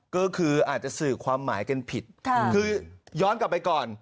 ก็คืออาจจะสื่อความหมายกันผิดคือย้อนกลับไปก่อน